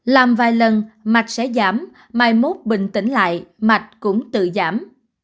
làm vài lần mạch sẽ giảm mai mốt bình tĩnh lại mạch cũng tự giảm